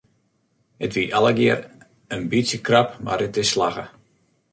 It wie allegear in bytsje krap mar it is slagge.